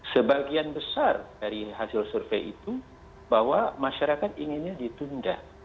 sebagian besar dari hasil survei itu bahwa masyarakat inginnya ditunda